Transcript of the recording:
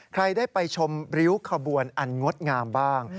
ใครได้ไปชมริ้วขบวนอันงดงามบ้าง